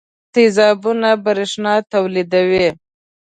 تیزابونه برېښنا تولیدوي.